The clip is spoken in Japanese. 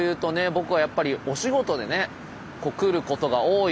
僕はやっぱりお仕事でね来ることが多いですけれども。